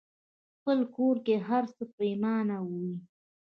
خپل کور کې هرڅه پريمانه وي.